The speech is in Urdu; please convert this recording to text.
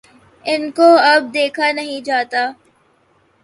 ان کو اب دیکھا نہیں جاتا۔